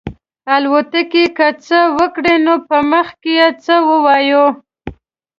راتلونکې کې څه وکړي نو په مخ کې څه ووایو.